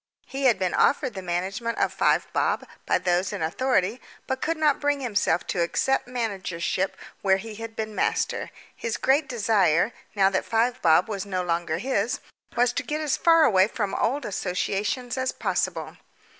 He had been offered the management of Five Bob by those in authority, but could not bring himself to accept managership where he had been master. His great desire, now that Five Bob was no longer his, was to get as far away from old associations as possible.